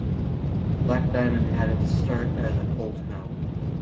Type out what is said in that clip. Black Diamond had its start as a coal town.